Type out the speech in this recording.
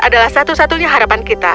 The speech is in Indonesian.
adalah satu satunya harapan kita